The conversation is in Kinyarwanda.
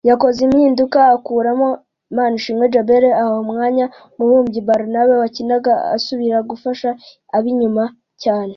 yakoze impinduka akuramo Manishimwe Djabel aha umwanya Mubumbyi Barnabé wakinaga asubira gufasha ab’inyuma cyane